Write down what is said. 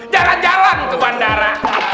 jalan jalan ke bandara